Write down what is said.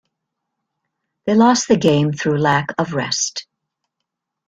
They lost the game through lack of rest.